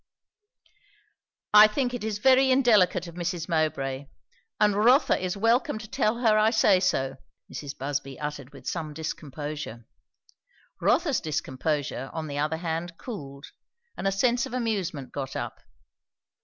"I think it is very indelicate of Mrs. Mowbray; and Rotha is welcome to tell her I say so," Mrs. Busby uttered with some discomposure. Rotha's discomposure on the other hand cooled, and a sense of amusement got up.